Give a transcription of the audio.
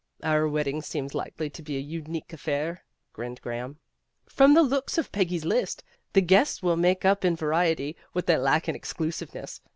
'' "Our wedding seems likely to be a unique affair," grinned Graham. "From the looks of Peggy's list, the guests will make up in variety what they lack in exclusiveness.